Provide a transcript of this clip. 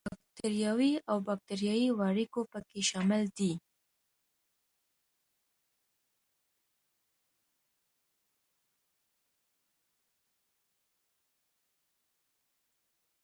باکټریاوې او باکټریايي وارکیو په کې شامل دي.